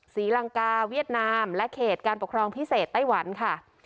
ศรีลังกาเวียดนามและเขตการปกครองพิเศษไต้หวันค่ะ